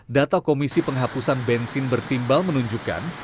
data komisi penghapusan bensin bertimbal menunjukkan